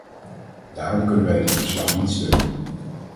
Daarom kunnen wij dit verslag niet steunen.